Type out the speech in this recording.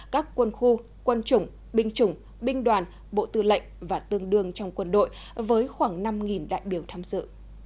các quân khu quân chủng binh chủng binh đoàn bộ tư lệnh và tương đương trong quân đội với khoảng năm đại biểu tham dự